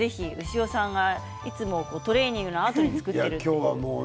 牛尾さんがいつもトレーニングなどで作っている。